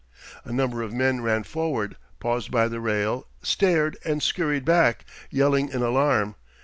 A number of men ran forward, paused by the rail, stared, and scurried back, yelling in alarm.